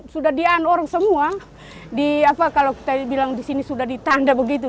sudah di an orang semua di apa kalau kita bilang di sini sudah ditanda begitu